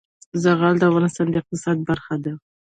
زغال د افغانستان د اقتصاد برخه ده.